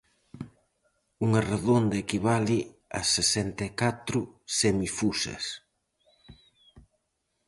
Unha redonda equivale a sesenta e catro semifusas.